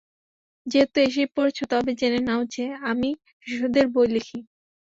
যেহেতু এসেই পড়েছ, তবে জেনে নাও যে, আমি শিশুদের বই লিখি।